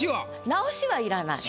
直しはいらない。